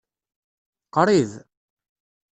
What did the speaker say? Qrib.